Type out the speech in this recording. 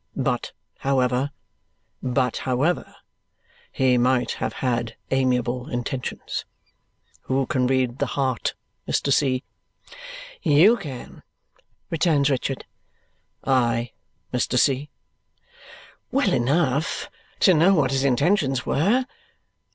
But however, but however, he might have had amiable intentions. Who can read the heart, Mr. C.!" "You can," returns Richard. "I, Mr. C.?" "Well enough to know what his intentions were.